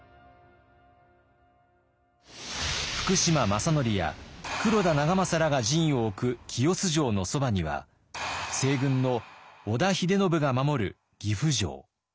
福島正則や黒田長政らが陣を置く清須城のそばには西軍の織田秀信が守る岐阜城。